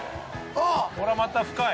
これまた深い。